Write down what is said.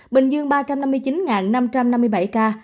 bình dương ba trăm năm mươi chín năm trăm năm mươi bảy ca